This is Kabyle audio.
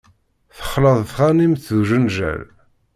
Texleḍ tɣanimt d ujenjal.